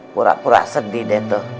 pura pura sedih deh tuh